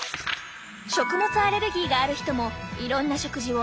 食物アレルギーがある人もいろんな食事を安全に楽しみたい！